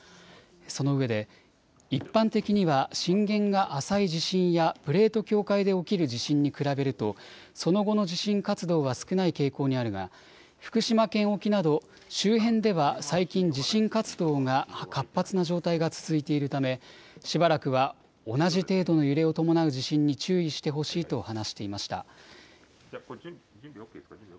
そのうえで、一般的には震源が浅い地震やプレート境界で起きる地震に比べるとその後の地震活動は少ない傾向にあるが福島県沖など周辺では最近、地震活動が活発な状態が続いているためしばらくは同じ程度の揺れを伴う地震に注意してほしいと話していました。